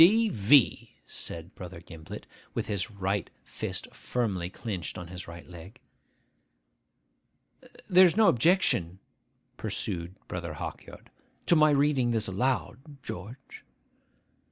'D.V.!' said Brother Gimblet, with his right fist firmly clinched on his right leg. 'There is no objection,' pursued Brother Hawkyard, 'to my reading this aloud, George?